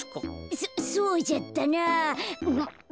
そそうじゃったなあ。